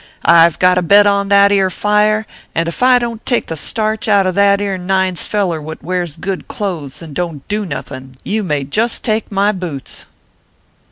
" I ve got a bet on that ere fire ; and ef I don t take the starch out of that ere Nine s feller what wears good clothes and don t do nothing you may just take my boots."